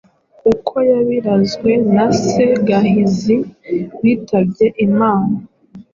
uko yabirazwe na se Gahizi witabye Imana